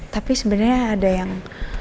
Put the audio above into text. tapi sebenarnya ada yang